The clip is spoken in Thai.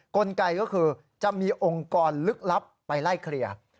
กลไกก็คือจะมีองค์กรลึกลับไปไล่เคลียร์